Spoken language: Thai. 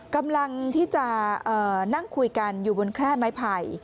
กำลังที่จะนั่งคุยกันอยู่บนแคร่ไม้ไผ่